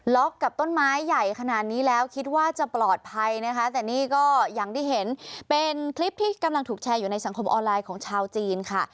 กับต้นไม้ใหญ่ขนาดนี้แล้วคิดว่าจะปลอดภัยนะคะแต่นี่ก็อย่างที่เห็นเป็นคลิปที่กำลังถูกแชร์อยู่ในสังคมออนไลน์ของชาวจีนค่ะ